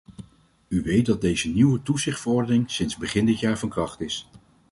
U weet dat deze nieuwe toezichtverordening sinds begin dit jaar van kracht is.